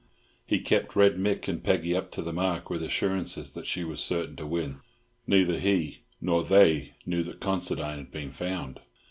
He kept Red Mick and Peggy up to the mark with assurances that she was certain to win. Neither he nor they knew that Considine had been found.